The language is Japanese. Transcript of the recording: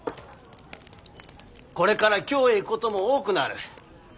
これから京へ行くことも多くなる。